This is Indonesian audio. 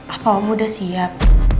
apa om udah siap